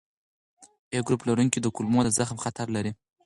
A ګروپ لرونکي د کولمو د زخم خطر لري.